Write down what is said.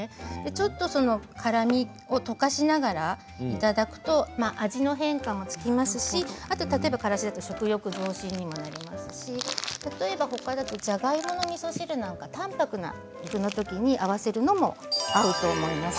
ちょっと辛みを溶かしながらいただくと味の変化もつきますし、あとからしだと食欲増進にもなりますし例えば、ほかだとじゃがいものみそ汁なんか淡泊なものに合わせるといいと思います。